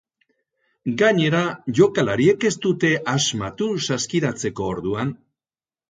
Gainera, jokalariek ez dute asmatu saskiratzeko orduan.